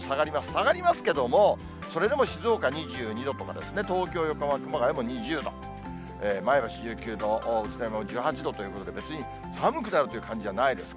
下がりますけれども、それでも静岡２２度とかですね、東京、横浜、熊谷も２０度、前橋１９度、宇都宮も１８度ということで、別に寒くなるという感じじゃないです。